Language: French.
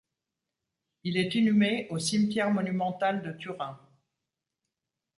Il est inhumé au cimetière monumental de Turin.